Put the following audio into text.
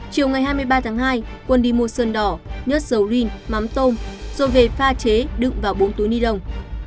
chiều ngày hai mươi ba tháng hai quân đi mua sơn đỏ nhớt dầu rin mắm tôm rồi về pha chế đựng vào bốn túi ni lông